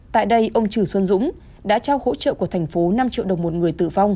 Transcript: tại đây ông trừ xuân dũng đã trao hỗ trợ của thành phố năm triệu đồng một người tử vong